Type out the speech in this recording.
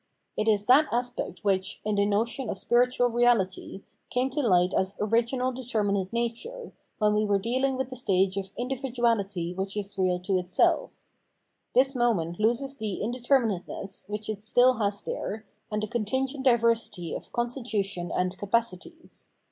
It is that aspect which, in the notion of spirituaj reality, came to Hght as original determinate nature, when we were dealing with the stage of Individuality which is real to itself/' This moment loses the m determinateness which it still has there, and the contin gent diversity of constitution ' and capacities.